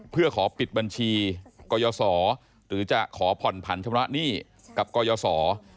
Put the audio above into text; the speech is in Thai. เพื่อขอปิดบัญชีกรยศหรือจะขอผ่อนผันชำระหนี้กับกรยศ